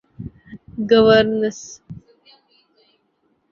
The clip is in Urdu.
گوئرنسی